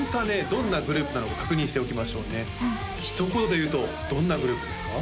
どんなグループなのか確認しておきましょうねひと言で言うとどんなグループですか？